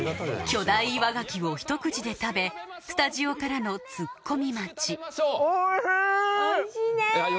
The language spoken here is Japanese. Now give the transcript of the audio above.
巨大岩ガキをひと口で食べスタジオからのツッコミ待ちおいしい！